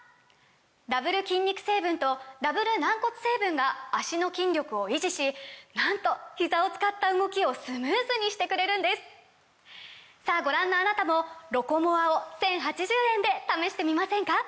ダブル筋肉成分とダブル軟骨成分が脚の筋力を維持しなんとひざを使った動きをスムーズにしてくれるんですさぁご覧のあなたも「ロコモア」を１，０８０円で試してみませんか！